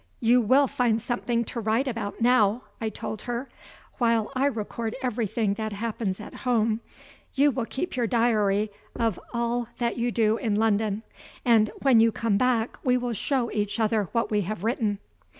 "You will find something to write about now," I told her. "While I record everything that happens at home, you will keep your diary of all that you do in London, and when you come back we will show each other what we have written."